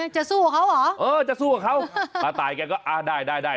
จะสู้กับเขาเหรอเออจะสู้กับเขาป้าตายกันก็ล่ะได้